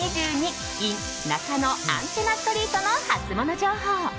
ｉｎなかのアンテナストリートのハツモノ情報。